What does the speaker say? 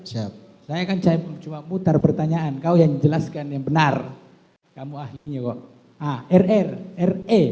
hai saya kan cuman putar pertanyaan kau yang jelaskan yang benar kamu akhirnya kok ah rr rr